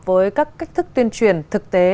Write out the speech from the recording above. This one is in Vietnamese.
với các cách thức tuyên truyền thực tế